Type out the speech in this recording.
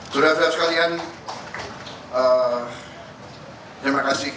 sudah sudah sekalian terima kasih